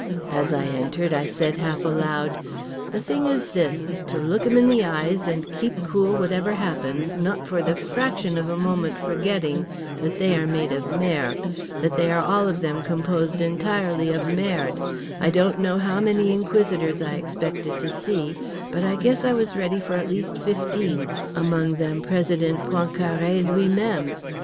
As I entered I said, half aloud: The thing is this, to look 'em in the eyes and keep cool whatever happens, not for the fraction of a moment forgetting that they are made of merde, that they are all of them composed entirely of merde—I don't know how many inquisitors I expected to see; but I guess I was ready for at least fifteen, among them President Poincaré Lui même.